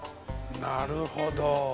なるほど。